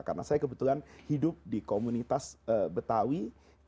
karena saya kebetulan hidup di komunitas betawi